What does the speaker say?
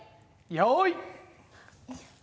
よい！